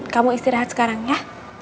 kamu istirahat sekarang ya